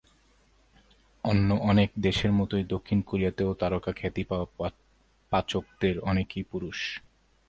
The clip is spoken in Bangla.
অন্য অনেক দেশের মতোই দক্ষিণ কোরিয়াতেও তারকা খ্যাতি পাওয়া পাচকদের অনেকেই পুরুষ।